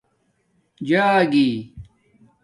جاگی